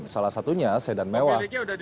salah satunya sedan mewah